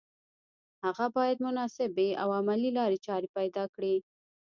هغه باید مناسبې او عملي لارې چارې پیدا کړي